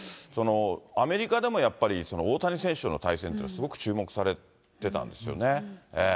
アメリカでもやっぱり大谷選手との対戦っていうのは、すごく注目されてたんですよね。